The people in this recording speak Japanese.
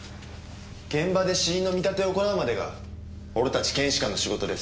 現場で死因の見立てを行うまでが俺たち検視官の仕事です。